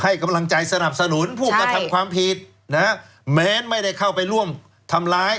ให้กำลังใจสนับสนุนผู้กระทำความผิดนะฮะแม้ไม่ได้เข้าไปร่วมทำร้าย